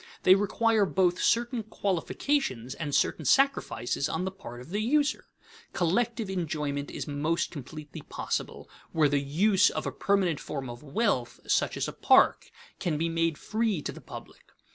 They require both certain qualifications and certain sacrifices on the part of the user. Collective enjoyment is most completely possible where the use of a permanent form of wealth, such as a park, can be made free to the public.